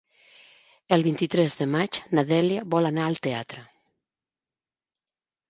El vint-i-tres de maig na Dèlia vol anar al teatre.